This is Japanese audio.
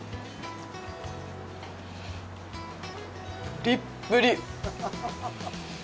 プリップリ。